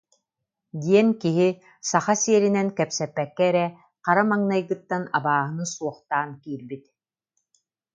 диэн киһи, саха сиэринэн кэпсэппэккэ эрэ, хара маҥнайгыттан абааһыны суохтаан киирбит